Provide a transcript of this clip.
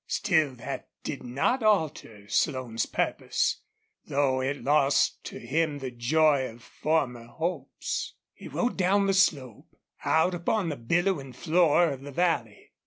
Still that did not alter Slone's purpose, though it lost to him the joy of former hopes. He rode down the slope, out upon the billowing floor of the valley.